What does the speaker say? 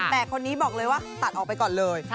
แต่คนนี้บอกเลยว่าตัดออกไปก่อนเลย